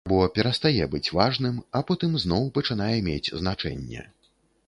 Або перастае быць важным, а потым зноў пачынае мець значэнне.